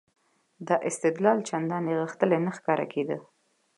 دا استدلال چندانې غښتلی نه ښکارېده.